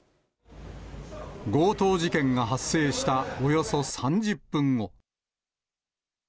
強盗事件が発生したおよそ３０分後。